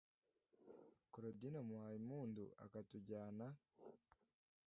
claudine muhayimpundu akatujyana